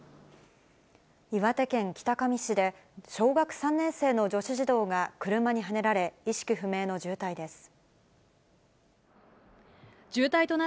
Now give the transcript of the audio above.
岩手県北上市で小学３年生の女子児童が車にはねられ、意識不明の重体です。